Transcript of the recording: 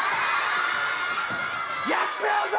やっちまうぞ！